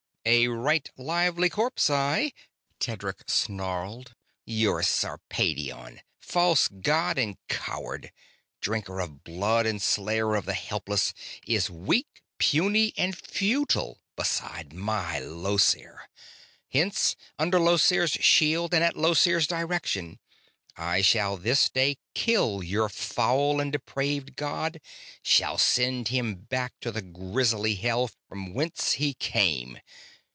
"A right lively corpse I!" Tedric snarled. "Your Sarpedion, false god and coward, drinker of blood and slayer of the helpless, is weak, puny, and futile beside my Llosir. Hence, under Llosir's shield and at Llosir's direction, I shall this day kill your foul and depraved god; shall send him back to the grisly hell from whence he came.